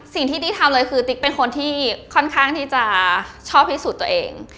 ติ๊กทำเลยคือติ๊กเป็นคนที่ค่อนข้างที่จะชอบพิสูจน์ตัวเอง